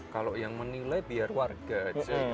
kalau yang menilai biar warga aja